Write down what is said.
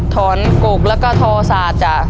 ถอนกกแล้วก็ทอศาสตร์จ้ะ